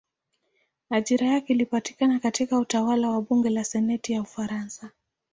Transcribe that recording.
Ajira yake ilipatikana katika utawala wa bunge la senati ya Ufaransa.